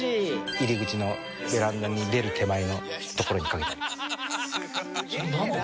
入り口のベランダに出る手前の所にかけてあります。